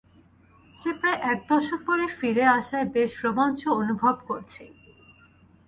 সে প্রায় এক দশক পরে ফিরে আসায় বেশ রোমাঞ্চ অনুভব করছি।